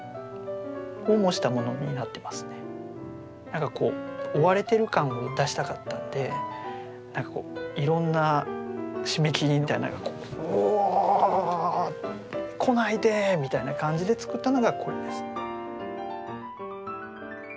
何か追われてる感を出したかったんでいろんな締め切りみたいなのがこう「ウオ」「来ないで！」みたいな感じで作ったのがこれですね。